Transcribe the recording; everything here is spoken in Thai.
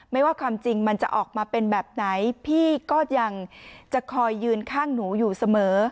ไม่ว่าความจริงมันจะออกมาเป็นแบบไหนพี่ก็ยังจะคอยยืนข้างหนูอยู่เสมอ